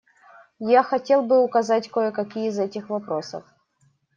Я хотел бы указать кое-какие из этих вопросов.